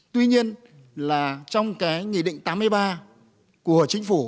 tuy nhiên là trong cái nghị định tám mươi ba của chính phủ